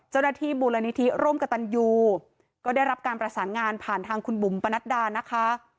เจ้าหน้าที่มูลนิธิร่มกับตันยูก็ได้รับการประสานงานผ่านทางคุณบุ๋มปนัดดานะคะ